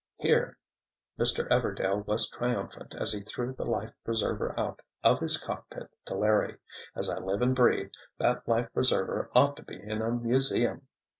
"Here!" Mr. Everdail was triumphant as he threw the life preserver out of his cockpit to Larry. "As I live and breathe, that life preserver ought to be in a museum!"